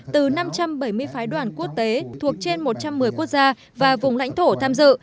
từ năm trăm bảy mươi phái đoàn quốc tế thuộc trên một trăm một mươi quốc gia và vùng lãnh thổ tham dự